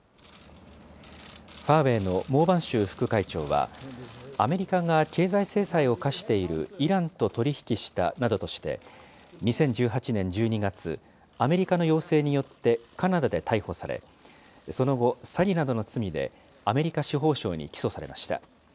ファーウェイの孟晩舟副会長は、アメリカが経済制裁を科しているイランと取り引きしたなどとして、２０１８年１２月、アメリカの要請によってカナダで逮捕され、その後、詐欺などの罪でアメリカ司法省に起訴されました。